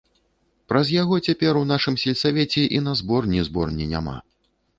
Праз яго цяпер у нашым сельсавеце і на зборні зборні няма.